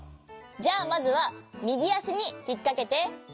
じゃあまずはみぎあしにひっかけて。